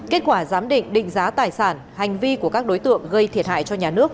kết quả giám định định giá tài sản hành vi của các đối tượng gây thiệt hại cho nhà nước